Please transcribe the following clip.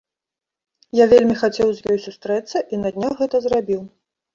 Я вельмі хацеў з ёй сустрэцца, і на днях гэта зрабіў.